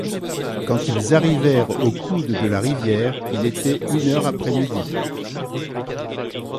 Quand ils arrivèrent au coude de la rivière, il était une heure après midi